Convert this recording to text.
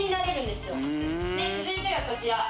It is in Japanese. で続いてがこちら。